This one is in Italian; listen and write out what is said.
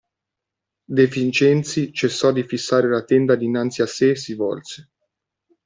De Vincenzi cessò di fissare la tenda dinanzi a sé e si volse.